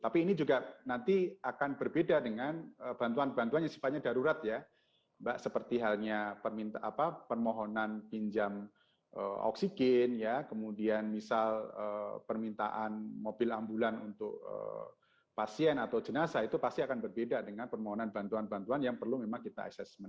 pertama permohonan pinjam oksigen kemudian misal permintaan mobil ambulan untuk pasien atau jenazah itu pasti akan berbeda dengan permohonan bantuan bantuan yang perlu kita asesmen